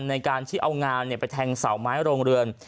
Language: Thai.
ในการที่เอางานไปแทงเสาไม้โรงเรือน